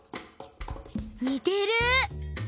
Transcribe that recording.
にてる！